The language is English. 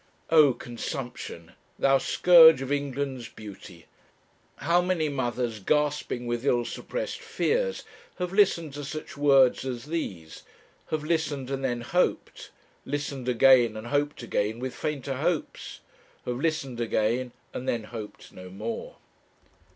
Oh! consumption, thou scourge of England's beauty! how many mothers, gasping with ill suppressed fears, have listened to such words as these have listened and then hoped; listened again and hoped again with fainter hopes; have listened again, and then hoped no more!